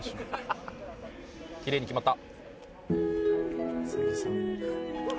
きれいに決まった！